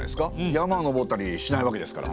山を登ったりしないわけですから。